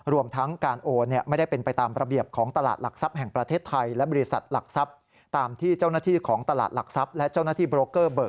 รวมทั้งการโอนไม่ได้เป็นไปตามประเบียบ